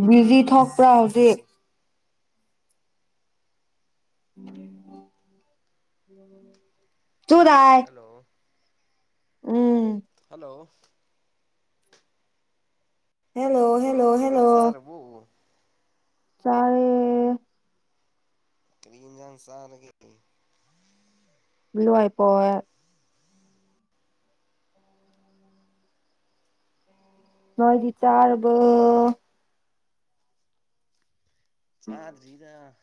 ꯎꯝ busy ꯊꯣꯛꯄ꯭ꯔꯥ hello ꯍꯧꯖꯤꯛ ꯎꯝ ꯇꯨꯗꯥꯏ ꯍꯜꯂꯣ ꯎꯝ ꯍꯜꯂꯣ ꯍꯜꯂꯣ ꯍ ꯁꯥꯛꯛꯆꯔꯕꯨ ꯆꯔꯦ ꯀꯔꯤꯝꯖꯥꯟ ꯁꯔ ꯀ ꯂꯜꯂꯋꯥꯏ ꯄꯣ ꯃꯣꯏꯗꯤ ꯆꯔꯕ ꯆꯗ꯭ꯔꯤꯗ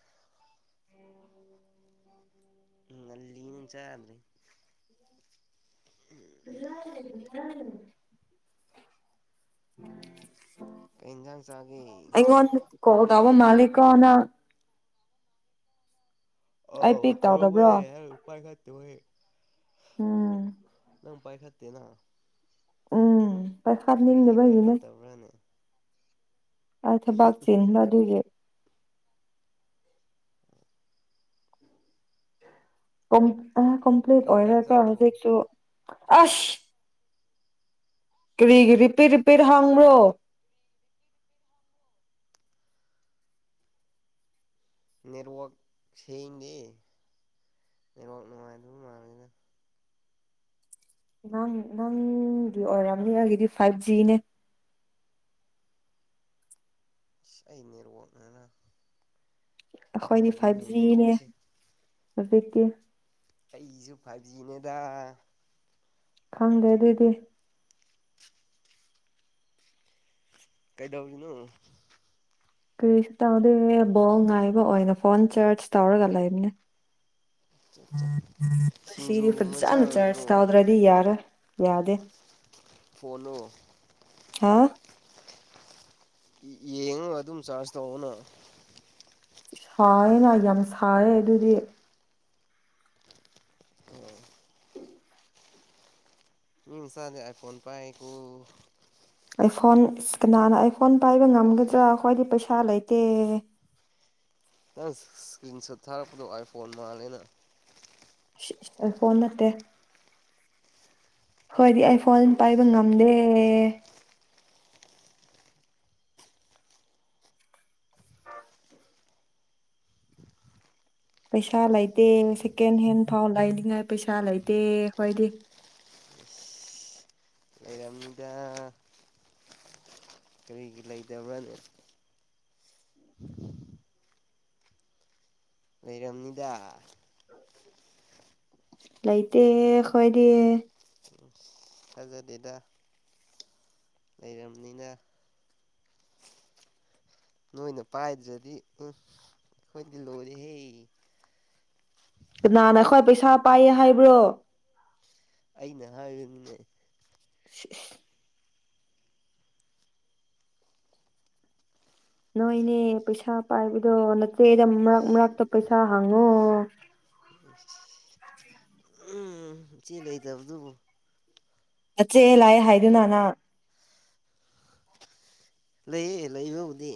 ꯎꯝ ꯂꯤꯅ ꯆꯥ꯭ꯔꯔꯤ ꯂ ꯂꯂ ꯎ ꯀꯩ ꯏꯟꯖꯥꯡ ꯆꯥꯒꯦ ꯀꯕ ꯃꯥꯂꯀꯅ ꯑ ꯑꯩ ꯄꯤꯛ ꯇꯧꯕꯨꯦ ꯇꯧꯗꯕ꯭ꯔꯣ ꯎꯥꯏ ꯈ ꯇꯣꯏ ꯎꯝ ꯅꯪ ꯄꯥꯏꯈꯠꯇꯦꯅ ꯎꯝ ꯀꯔꯤꯒꯤ ꯄꯥꯏꯈꯠꯅꯤꯡꯗꯕꯒꯤꯅꯦ ꯄꯥꯏꯈꯠꯇꯕ꯭ꯔꯥꯅꯦ ꯑ ꯊꯕꯥꯛ ꯆꯤꯟ ꯑꯗꯨꯒꯤ ꯑꯣ ꯑ ꯀꯝꯄ꯭ꯂꯤꯠ ꯀꯩ ꯏꯟꯖꯥꯡ ꯑꯣꯏꯔꯒ ꯆꯥꯕ꯭ꯔꯣ ꯍꯧꯖꯤꯛꯁꯨ ꯑꯁ ꯔꯤꯔꯤꯄꯄꯔ ꯍꯪ꯭ꯔꯣ ꯅꯦꯠꯋꯥꯛ ꯁꯦꯡꯗꯦ ꯅꯦꯠꯋꯥꯛ ꯅꯨꯡꯉꯥꯏꯗꯕ ꯃꯥꯂꯅꯤꯗ ꯅꯪ ꯅꯪꯒꯤ ꯑꯣꯏꯔꯝꯅꯤ ꯑꯩꯒꯤꯗꯤ ꯐꯥꯏꯚ ꯖꯤꯅꯦ ꯑꯩꯅꯤꯣꯅꯅ ꯑꯩꯈꯣꯏꯗꯤ ꯐꯥꯏꯚ ꯖꯤꯅꯦ ꯍꯧꯖꯤꯛ ꯑꯣꯠꯇ ꯑꯩꯁꯨ ꯐꯥꯖꯤꯅꯦꯗ ꯈꯪꯗꯦ ꯑꯗꯨꯏꯗꯤ ꯀꯩꯗꯧꯔꯤꯅꯨ ꯀꯔꯤꯁꯨ ꯇꯥꯗꯦ ꯕꯣꯜ ꯉꯥꯏꯕ ꯑꯣꯏꯅ ꯐꯣꯟ ꯆꯥꯔꯖ ꯇꯧꯔꯒ ꯂꯩꯕꯅꯦ ꯁꯤꯔꯤ ꯁꯤꯡꯖꯨꯒꯨꯝꯕ ꯐꯖꯅ ꯆꯥꯔꯣꯏꯗ꯭ꯔꯣ ꯆꯁꯇꯗ꯭ꯔꯗꯤ ꯌꯥꯔ ꯌꯥꯗꯦ ꯐꯣꯂꯣ ꯈ ꯌꯦꯡꯉꯒ ꯑꯗꯨꯝ ꯆꯥꯔꯖ ꯇꯧꯅ ꯁꯥꯏꯅ ꯌꯥꯝ ꯁꯥꯏ ꯑꯗꯨꯗꯤ ꯑꯣ ꯃꯤꯤꯡꯁꯗꯦ ꯑꯥꯏ ꯐꯣꯟ ꯄꯥꯏ ꯀꯨ ꯑꯩꯐꯣꯟ ꯀꯅꯥꯅ ꯑꯩꯥꯏꯐꯣꯟ ꯄꯥꯏꯕ ꯉꯝꯒꯗ꯭ꯔꯥ ꯈ꯭ꯣꯏꯗꯤ ꯄꯩꯁꯥ ꯂꯩꯇꯦ ꯅꯪ ꯏꯁꯀ꯭ꯔꯤꯟ ꯁꯣꯠ ꯊꯥꯔꯛꯄꯗꯣ ꯑꯥꯏ ꯐꯣꯟ ꯃꯥꯜꯂꯦꯅ ꯐꯣꯟ ꯅꯠꯇꯦ ꯍꯣꯏꯗꯤ ꯑꯩ ꯐꯣꯟ ꯄꯥꯏꯕ ꯉꯝꯗꯦ ꯄꯩꯁꯥ ꯂꯩꯇꯦ ꯁꯦꯀꯦꯟ ꯍꯦꯟ ꯐꯥꯎ ꯂꯩꯅꯤꯡꯉꯥꯏ ꯄꯩꯁꯥ ꯂꯩꯇꯦ ꯑꯩꯈꯣꯏꯗꯤ ꯂꯩꯔꯝꯅꯤꯗ ꯀꯔꯤꯒꯤ ꯂꯩꯇꯕ꯭ꯔꯅꯦ ꯂꯩꯔꯝꯅꯤꯗ ꯂꯩꯥꯏꯇꯦ ꯈꯋꯥꯣꯏꯗꯌꯦ ꯖ ꯗꯦꯗ ꯑꯩꯈꯣꯏꯅ ꯄꯥꯏꯗ꯭ꯔꯗꯤ ꯎ ꯑꯩꯈꯣꯏꯗꯤ ꯂꯣꯏꯔꯦꯍꯦ ꯀꯅꯥꯅ ꯈ꯭ꯋꯥ ꯄꯩꯁꯥ ꯄꯥꯏꯌꯦ ꯍꯥꯏꯕ꯭ꯔꯣ ꯑꯩꯅ ꯍꯥꯏꯕꯅꯤꯅꯦ [unintelligible] ꯅꯣꯏ ꯏꯅꯦ ꯄꯩꯁꯥ ꯄꯥꯏꯕꯤꯗꯣ ꯅ ꯆꯦꯗ ꯎꯝ ꯃꯔꯛ ꯃꯔꯛꯇ ꯄꯩꯁꯥ ꯍꯥꯡꯉꯣꯑꯣ [unintelligible] ꯎ [unintelligible] ꯎꯝ ꯏ ꯆꯦ ꯂꯩꯇꯕꯗꯨꯕꯨ ꯆꯠꯁꯦ ꯂꯥꯛꯑꯦ ꯍꯥꯏꯗꯨꯅꯅ ꯂꯩꯌꯦ ꯂꯩꯕꯕꯨꯗꯤ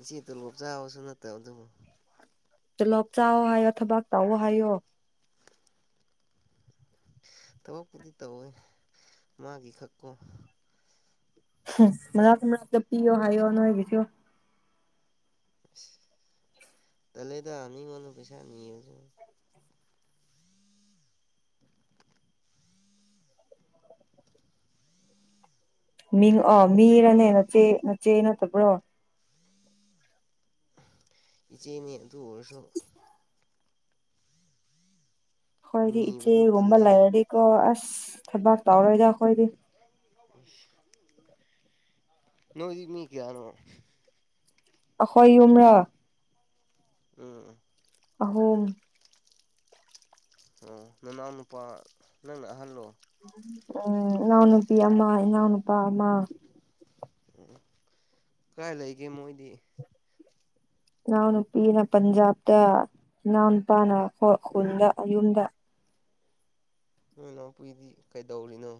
ꯏꯆꯦ ꯇꯣ ꯂꯣꯞ ꯆꯥꯕꯁꯨ ꯅꯠꯇꯕ ꯑꯗꯨꯕꯨ ꯇꯂꯣꯞ ꯆꯥꯑꯣ ꯍꯥꯏꯌꯣ ꯊꯕꯥꯛ ꯇꯥꯛꯑꯣ ꯍꯥꯏꯌꯣ ꯊꯕꯛꯄꯨꯗꯤ ꯇꯧꯋꯤ ꯃꯥꯒꯤ ꯈꯛꯀꯣ ꯃ ꯄꯤꯌꯑꯣ ꯍꯥꯏꯌꯑꯣ ꯅꯁꯤꯑꯣ ꯇꯗ ꯑꯅꯤ ꯀꯅ ꯄꯩꯁꯥꯅꯤꯁꯨ ꯃꯤꯡ ꯑ ꯃꯤꯔꯅꯦ ꯅꯆꯦ ꯅꯆꯦ ꯅꯠꯇꯕ꯭ꯔꯣ ꯏꯆꯦꯅꯤ ꯑꯗꯨ ꯑꯣꯏꯁꯨꯣ ꯍꯣꯏꯗꯤ ꯅꯤꯕꯗꯣ ꯏꯆꯦꯒꯨꯝꯕ ꯇꯜꯂꯦꯅ ꯂꯩꯔꯗꯤꯀꯣ ꯑꯁ ꯊꯕꯥꯛ ꯇꯧꯔꯣꯏꯗ ꯑꯩꯈꯣꯏꯗꯤ [unintelligible] ꯅꯣꯏ ꯃꯤ ꯀꯌꯥꯅꯣ ꯑꯈꯣꯏ ꯌꯨꯝ꯭ꯔꯥ ꯎꯝ ꯎꯝ ꯑꯍꯨꯝ ꯑꯣ ꯅꯅꯥꯎ ꯅꯨꯄꯥ ꯅꯪꯅ ꯑꯍꯜꯂꯣ ꯎꯝ ꯏꯅꯥꯎ ꯅꯨꯄꯤ ꯑꯃ ꯏꯅꯥꯎ ꯅꯨꯨꯄꯥ ꯑꯃ ꯎ ꯀꯗꯥꯥꯏ ꯂꯩꯒꯦ ꯃꯣꯏꯗꯤ ꯅꯅꯥꯎꯅ ꯅꯨꯄꯤꯅ ꯄꯟꯖꯥꯕꯗ ꯅꯅꯥꯎꯅꯄꯥꯥꯅ ꯍꯣꯏ ꯎꯝ ꯈꯨꯟꯗ ꯌꯨꯝꯗ ꯅꯣꯏ ꯅꯥꯎꯄꯨꯏꯗꯤ ꯀꯩꯗꯧꯔꯤꯅꯣ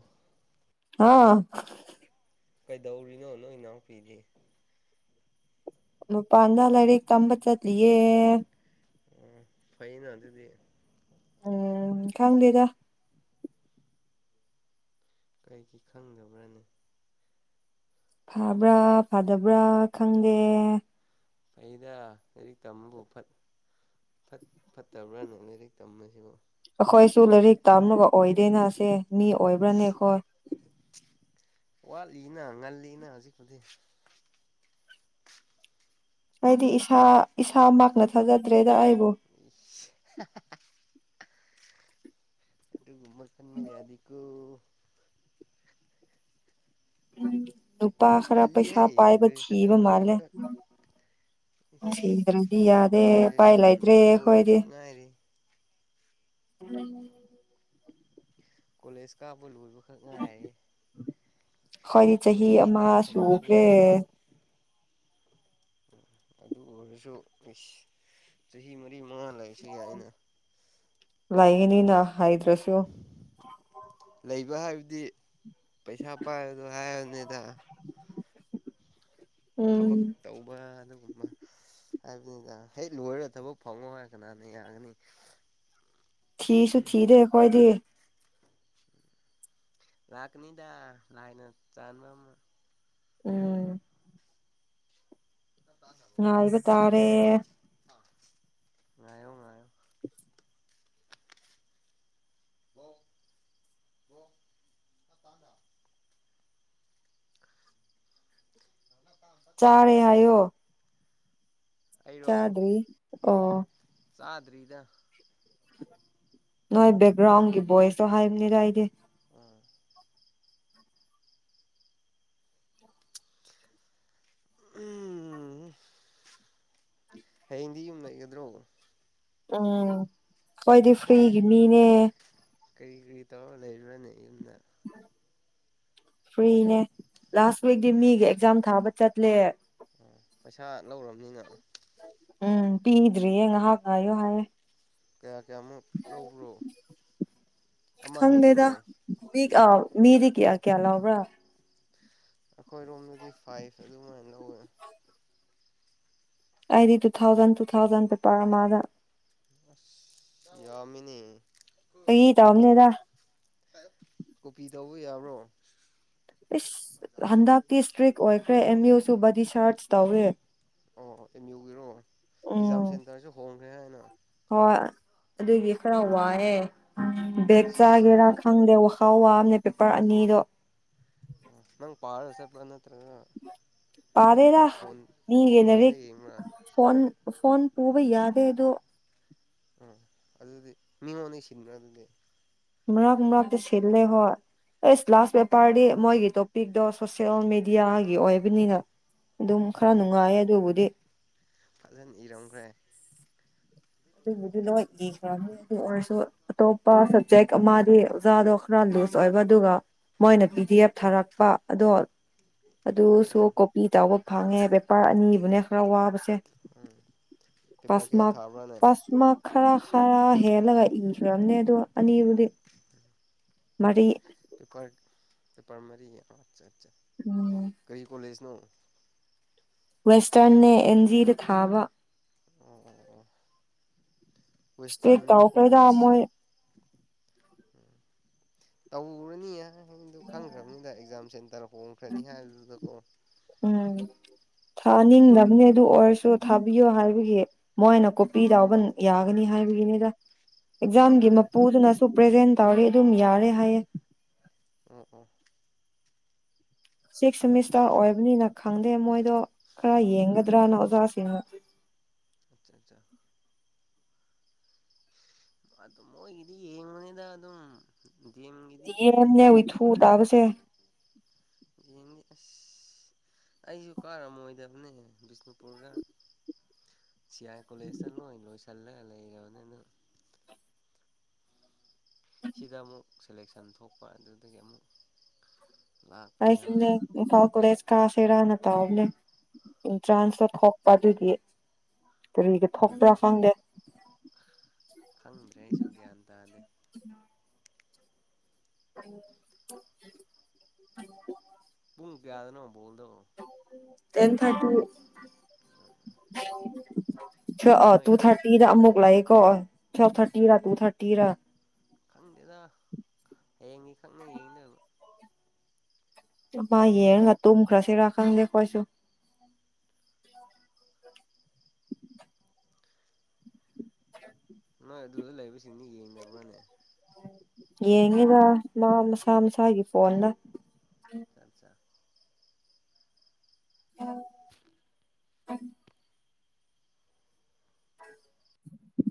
ꯑꯥ ꯀꯩꯗꯧꯔꯤꯅꯣ ꯅꯣꯏ ꯏꯅꯥꯎꯄꯤꯗꯤ ꯄꯗꯥ ꯂꯔꯤ ꯇꯝꯕ ꯆꯠ ꯂꯦ ꯎ ꯐꯩꯅ ꯑꯗꯨꯗꯤ ꯎꯝ ꯀꯉꯗꯦꯗ ꯀꯩꯒꯤ ꯈꯪꯗꯕ꯭ꯔꯅꯤ ꯐꯕ꯭ꯔꯥ ꯐꯗꯕ꯭ꯔꯥ ꯈꯪꯗꯦ ꯐꯗ ꯂꯥꯏꯔꯤꯛ ꯇꯝꯕꯕꯨ ꯐꯠꯇꯕ꯭ꯔꯥꯅ ꯂꯥꯏꯔꯤꯛ ꯇꯝꯕꯁꯤꯕꯨ ꯑꯩꯈꯣꯏꯁꯨ ꯂꯥꯏꯔꯤꯛ ꯇꯥꯝꯂꯨꯕ ꯑꯣꯏꯗꯦꯅꯁꯦ ꯃꯤ ꯏꯁ ꯑꯣꯏꯕ꯭ꯔꯥꯅꯦꯈꯣꯏ ꯋꯥꯠꯂꯤꯅ ꯉꯜꯂꯤꯅ ꯍꯧꯖꯤꯛꯄꯗꯤꯛ ꯑꯩꯗꯤ ꯏꯁꯥ ꯏꯁꯥꯃꯛꯅ ꯊꯥꯖꯗ꯭ꯔꯦꯗ ꯑꯩ [unintelligible] ꯑꯗꯨꯨ ꯨꯃꯔꯁ ꯃ ꯌꯥꯗꯤ ꯀꯧꯕ ꯎꯝ ꯅꯨꯄꯥ ꯈꯔ ꯄꯩꯁꯥ ꯉꯜꯂꯤꯍꯦ ꯄꯥꯏꯕ ꯊꯤꯕ ꯒ꯭ꯔꯦꯖꯨꯑꯦꯁꯟ ꯃꯥꯜꯂꯦ ꯂꯣꯏꯕꯈꯛ ꯊꯤꯗ꯭ꯔꯗꯤ ꯌꯥꯗꯦꯄꯥꯏ ꯒ꯭ꯔꯦꯖꯨꯑꯦꯁꯟ ꯂꯩꯇ꯭ꯔꯦ ꯑꯩꯈꯣꯏꯗꯤ ꯂꯣꯏꯕꯈꯛ ꯉꯥꯏꯔꯤ ꯎꯝ ꯀꯣꯂꯦꯁ ꯀꯥꯣꯜ ꯐꯛꯉꯥꯏ ꯑꯩꯣꯏꯗꯤ ꯆꯍꯤ ꯑꯃ ꯁꯨꯈ꯭ꯔꯦ ꯁꯨꯅꯕ ꯎ ꯑꯗꯨ ꯑꯣꯏꯔꯁꯨ ꯆꯍꯤ ꯃꯔꯤ ꯃꯉꯥꯜ ꯂꯩꯁꯤ ꯌꯥ ꯑꯩꯅ ꯌꯦꯅꯤꯅ ꯍꯥꯏꯗ꯭ꯔꯁꯨꯣ ꯂꯩꯕ ꯍꯥꯏꯕꯗꯤ ꯄꯩꯁꯥ ꯄꯥꯏꯕꯗꯣ ꯍꯥꯏꯔꯕꯅꯤꯗ [unintelligible] ꯊꯕꯛ ꯇꯧꯕ ꯑꯗꯨꯒꯨꯝꯕ ꯍꯥꯏꯕꯅꯤꯗ ꯍꯦꯛ ꯂꯣꯏꯔ ꯊꯕꯛ ꯐꯪꯉꯣ ꯍꯥꯏꯔ ꯀꯅꯥꯅ ꯌꯥꯒꯅꯤ ꯊꯤꯁꯨ ꯊꯗꯦ ꯀꯋꯥꯗꯌꯦ ꯂꯥꯛꯅꯤꯗꯥ ꯂꯅ ꯆꯥꯕ ꯎꯝ ꯑ ꯏꯕ ꯇꯥꯔꯦ ꯉꯥꯏꯣ ꯉꯥꯏꯌꯣ ꯆꯥꯔꯦ ꯍꯥꯏꯣ ꯑꯩꯔꯣ ꯆꯗ꯭ꯔꯤ ꯑꯣ ꯆꯥꯗ꯭ꯔꯤꯗ ꯅꯣꯏ ꯕꯦꯛꯒ꯭ꯔꯥꯎꯟꯒꯤ ꯕꯣꯏꯁꯇꯣ ꯍꯥꯏꯕꯅꯦꯗ ꯑꯩꯗꯤ ꯍꯌꯦꯡꯗꯤ ꯌꯨꯝ ꯂꯩꯒꯗ꯭ꯔꯣ ꯑꯥ ꯀꯣꯏꯗꯤ ꯐꯔꯤꯒꯤ ꯃꯤꯅꯦ ꯀꯩ ꯀꯔꯤ ꯇ ꯂꯩꯕꯅꯤꯅ ꯐ꯭ꯔꯤꯅꯦ ꯂꯥꯁ ꯋꯤꯛꯗꯤ ꯃꯤꯒ ꯑꯦꯛꯖꯥꯝ ꯊꯥꯕ ꯆꯠꯂꯦ ꯑꯣ ꯄꯩꯁꯥ ꯂꯧꯔꯕꯅꯤꯅ ꯎꯝ ꯄꯤꯗ꯭ꯔꯤꯌꯦ ꯉꯥꯏꯍꯥꯛ ꯉꯥꯏꯌꯣ ꯍꯥꯏꯔꯦ ꯀꯌꯥ ꯀꯌꯥꯃꯨꯛ ꯂꯧꯕ꯭ꯔꯣ ꯑꯃ ꯍꯦꯟꯕ꯭ꯔꯣ ꯑ ꯃꯤꯗꯤ ꯀꯌꯥ ꯀꯌꯥꯂꯥꯎꯑꯣꯕ꯭ꯔꯥ ꯑꯩꯈꯣꯏꯔꯣꯝꯗꯗꯤ ꯐꯥꯏꯚ ꯑꯗꯨꯃꯥꯏꯅ ꯂꯧꯋꯦ ꯑꯩꯗꯤ ꯇꯨ ꯊꯥꯎꯖꯟ ꯇꯨ ꯊꯥꯎꯖꯟ ꯄꯦ ꯄꯔ ꯃꯥꯗ ꯑ ꯌꯥꯃꯤꯅꯤ ꯀꯒꯤ ꯇ ꯑꯣꯅꯦꯗ ꯀꯣꯄꯤ ꯇꯧꯕ ꯌꯥꯕ꯭ꯔꯣ ꯏꯁ ꯍꯟꯗꯛꯇꯤ ꯏꯁꯇ꯭ꯔꯤꯛ ꯑꯣꯏꯈ꯭ꯔꯦ ꯑꯦꯝ ꯌꯨ ꯁꯨꯕꯗꯤ ꯁꯔꯠꯁ ꯇꯧꯋꯦ ꯑꯣ ꯑꯦꯝ ꯌꯨꯒꯤꯔꯣꯑꯣ ꯑꯦꯛꯖꯥꯝ ꯎꯝ ꯁꯦꯟꯇꯔꯁꯨ ꯍꯣꯡꯉ ꯍ ꯍꯥꯏꯅ ꯍꯣꯏ ꯑꯗꯨꯒꯤ ꯈꯔ ꯋꯥꯑꯦ ꯕꯒ ꯑꯁ ꯆꯒꯦꯔ ꯈꯪꯗꯦ ꯋꯥ ꯈꯥꯎ ꯋꯥꯝꯅꯦ ꯄꯦꯄꯔ ꯑꯅꯤꯗꯣ ꯅꯪ ꯄꯍꯥꯔꯁꯦ ꯄꯥꯅ ꯄꯔꯦꯔ ꯐꯣꯟ ꯅꯒ ꯅꯔꯤ ꯐꯣꯟꯗ ꯌꯦꯡꯕ꯭ꯔꯥ ꯐꯣꯟꯣꯟ ꯐꯣꯟ ꯄꯕ ꯌꯥꯗꯦꯗꯣ ꯑ ꯑꯗꯨꯗꯤ ꯃꯤ ꯃꯉꯣꯟꯗ ꯁꯤꯟꯗ꯭ꯔ ꯑꯗꯨꯗꯤ ꯃꯔꯛ ꯃꯣꯔꯛꯇ ꯁꯤꯜ ꯂꯩ ꯍ ꯑꯦꯁ ꯂꯥꯁ ꯦꯄꯔꯗꯤ ꯃꯣꯏꯒꯤꯣ ꯄꯄꯤꯛꯇꯣ ꯁꯣꯁꯦꯜ ꯃꯦꯗꯤꯌꯥꯒꯤ ꯑꯣꯏꯕꯅꯤꯅ ꯑꯗꯨꯝ ꯈꯔ ꯎꯝ ꯅꯨꯡꯉꯥꯏꯌꯦ ꯑꯗꯨꯕꯨꯗꯤ ꯐꯖꯅ ꯏꯔꯝꯈ꯭ꯔꯦ ꯑꯕꯨꯗꯨ ꯂ ꯈ ꯑꯗꯨ ꯑꯣꯏꯔꯁꯨ ꯑꯇꯣꯞꯄ ꯁꯕꯖꯦꯛ ꯑꯃꯗꯤ ꯑꯣꯖꯥꯗꯣ ꯈꯔ ꯂꯨꯖ ꯑꯣꯏꯕ ꯑꯗꯨꯒ ꯃꯣꯏꯅ ꯄꯤ ꯗꯤ ꯑꯦꯐ ꯊꯥꯔꯛꯄ ꯑꯗꯣ ꯑꯗꯨ ꯁꯣ ꯎꯝ ꯀꯣꯕꯤ ꯇꯥꯕ ꯐꯪꯉꯦ ꯄꯦꯄꯔ ꯑꯅꯤꯕꯨꯅꯦ ꯈꯔ ꯋꯥꯕꯁꯦ ꯎꯝ ꯄ ꯄꯦꯄꯔ ꯀꯌꯥ ꯃꯥ ꯊꯥꯕ꯭ꯔꯥꯅꯦ ꯄꯥꯁꯃꯔ ꯈꯔ ꯍꯦꯜꯂꯒ ꯏꯈꯨꯔꯝꯅꯦ ꯑꯗꯣ ꯑꯅꯤꯕꯨꯗꯤ ꯃꯔꯤ ꯄꯦꯄꯔ ꯄꯦꯄꯔ ꯃꯔꯤ ꯎꯝ ꯣ [unintelligible] ꯋꯦꯁꯇꯔꯟꯦ ꯑꯦꯟꯖꯤꯗ ꯊꯥꯕ ꯑꯣ ꯏꯁꯇꯦ ꯇ ꯋꯦꯁꯇꯔꯟ ꯐꯔꯦꯗꯃꯣꯏ ꯇꯕꯨꯔꯅꯤꯌꯦ ꯗꯣ ꯈꯪꯈ꯭ꯔꯕꯅꯤꯅꯗ ꯑꯦꯛꯖꯥꯝ ꯀꯈ꯭ꯔꯅꯤ ꯍꯥꯏ ꯑꯗꯨꯗꯀꯣ ꯊꯥꯅꯤꯡꯗꯕꯅꯤ ꯑꯗꯨ ꯑꯣꯏꯔꯁꯨ ꯊꯥꯕꯤꯌꯣ ꯍꯥꯏꯕꯒꯤ ꯃꯣꯏꯅ ꯀꯣꯄꯤ ꯌꯥꯎꯕ ꯌꯥꯒꯅꯤ ꯍꯥꯏꯕꯒꯤꯅꯤꯗ ꯑꯦꯛꯖꯥꯝꯒꯤ ꯑꯣ ꯑꯣ ꯃꯄꯨꯗꯨꯅꯁꯨ ꯄ꯭ꯔꯖꯦꯟ ꯇꯧꯔꯤ ꯑꯗꯨꯝ ꯌꯥꯔꯦ ꯍꯥꯏꯌꯦꯦ ꯑꯣ ꯑꯣ ꯁꯤꯛꯁ ꯁꯦꯃꯤꯁꯇꯔ ꯑꯣꯏꯕꯅꯤꯅ ꯈꯪꯗꯦ ꯃꯣꯏꯗꯣ ꯈꯔ ꯌꯦꯡꯒꯗ꯭ꯔꯥꯅ ꯑꯣꯖꯥꯁꯤꯅ ꯑꯆꯥ ꯑꯆꯥ ꯃ ꯑꯗꯨ ꯃꯣ ꯏꯗꯤ ꯌꯦꯡꯉꯅꯦꯅꯤꯗ ꯑꯗꯨ ꯑꯗꯨꯝ ꯗꯤ ꯑꯦꯝꯒꯤꯗꯤ ꯅꯦ ꯎ ꯊꯨ ꯇꯥꯕꯁꯦ ꯌꯦꯒꯤ ꯑꯁ ꯑꯩꯁꯨ ꯀꯥꯔꯝꯣꯏꯗꯕꯅꯦ ꯕꯤꯁꯅꯨꯄꯨꯔꯗ ꯁꯤꯌꯥꯏ ꯀꯣꯂꯁ ꯏ ꯀꯂꯒꯂ ꯌꯥꯅꯤ ꯁꯤꯗ ꯑꯃꯨꯛ ꯁꯦꯂꯦꯛꯁꯟ ꯊꯣꯛꯄ ꯑꯗꯨꯗꯒꯤ ꯑꯃꯨꯛ ꯑ ꯂꯥꯛꯄꯅꯦꯕ ꯐꯥꯎ ꯀ ꯀꯥꯁꯦꯔꯥꯅ ꯇꯧꯅꯦ ꯑꯦꯟꯇ꯭ꯔꯥꯟꯁꯇꯣ ꯊꯣꯛꯄ ꯑꯗꯨꯗꯤ ꯀꯔꯤꯒ ꯎꯝ ꯊꯣꯛꯄ꯭ꯔꯥ ꯐꯪꯗꯦ ꯈꯪꯗ꯭ꯔꯦ ꯑꯩꯁꯨ ꯒ꯭ꯌꯥꯟ ꯇꯥꯅꯤ ꯎꯝ ꯇꯨꯡ ꯀꯌꯥꯗꯅꯣꯜꯗꯣ ꯇꯦꯟ ꯊꯥꯔꯇꯤ ꯏ ꯅꯣꯏ ꯇꯨ ꯊꯥꯔꯇꯤꯗ ꯑꯃꯃꯨꯛ ꯂꯥꯏꯛ ꯀꯣ ꯐꯣꯔ ꯊꯔꯇꯤ ꯔ ꯇꯨ ꯊꯔꯇꯤ ꯔ ꯈꯪꯗꯦꯗ ꯍꯌꯦꯡꯏꯤ ꯈꯪꯉ ꯌꯦꯡꯗꯕ ꯑꯃ ꯍꯣꯔꯦꯟꯒꯤ ꯌꯦꯡꯒ ꯇꯨ ꯃꯈ꯭ꯔꯁꯤ ꯀꯪꯒꯦ ꯀꯣꯏꯁꯨꯣ ꯍꯣꯏ ꯑꯗꯨꯗ ꯂꯩꯕꯁꯤꯡꯅꯤ ꯌꯦꯡꯅꯕ꯭ꯔꯅꯦ ꯌꯦꯡꯉꯦꯗ ꯃꯥ ꯃꯁꯥ ꯃꯁꯥꯒꯤ ꯐꯣꯟꯅ ꯆꯠ ꯆꯥ ꯎꯝ ꯎꯝ [unintelligible]